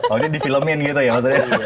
oh ini di filmin gitu ya maksudnya